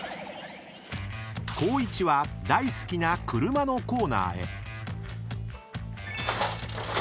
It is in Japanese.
［光一は大好きな車のコーナーへ］